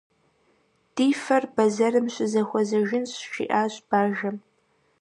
«Ди фэр бэзэрым щызэхуэзэжынщ», - жиӀащ бажэм.